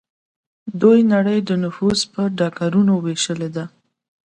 دوی نړۍ د نفوذ په ډګرونو ویشلې ده